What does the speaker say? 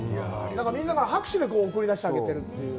なんかみんなが拍手で送り出してあげてるという。